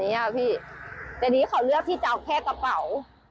เดี๋ยวนี้เขาเลือกที่จะเอาแค่กระเป๋า